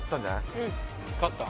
うん勝った？